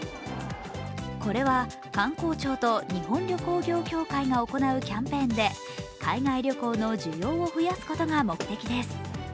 これは観光庁と日本旅行業協会が行うキャンペーンで海外旅行の需要を増やすことが目的です。